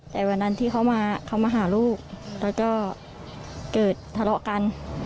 แต่วันนั้นที่เขามาเขามาหาลูกแล้วก็เกิดทะเลาะกัน